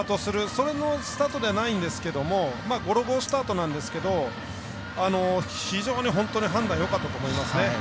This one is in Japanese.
そのスタートではないんですけどゴロゴースタートなんですけど非常に判断よかったと思います。